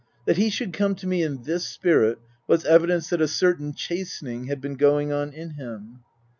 That he should come to me in this spirit was evidence that a certain chastening had been going on in him.